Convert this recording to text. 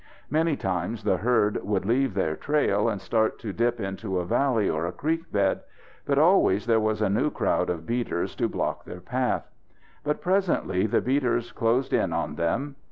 Many times the herd would leave their trail and start to dip into a valley or a creek bed, but always there was a new crowd of beaters to block their path. But presently the beaters closed in on them.